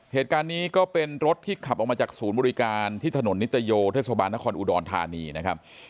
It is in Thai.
เหตุการณ์นี้ก็เป็นรถที่ขับออกมาจากศูนย์บริการที่ถนนนิตโยเทศบาลนครอุดรธานีนะครับ